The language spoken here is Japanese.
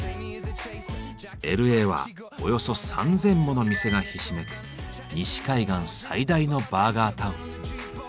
Ｌ．Ａ．はおよそ３，０００もの店がひしめく西海岸最大のバーガータウン。